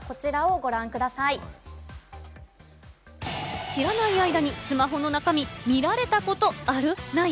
ご覧く知らない間にスマホの中身、見られたことある？ない？